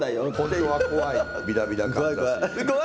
それは怖い。